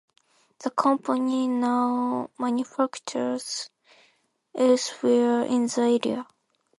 The company now manufactures elsewhere in the area.